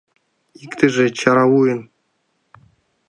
Иктыже чаравуйын.